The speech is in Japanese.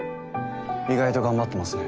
意外と頑張ってますね。